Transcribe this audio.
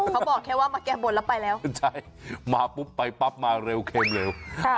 เขาบอกแค่ว่ามาแก้บนแล้วไปแล้วใช่มาปุ๊บไปปั๊บมาเร็วเข็มเร็ว